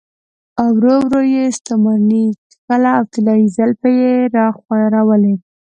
ورو ورو يې ستوماني کښله او طلايې زلفې يې راخورولې.